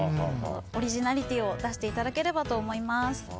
オリジナリティーを出していただければと思います。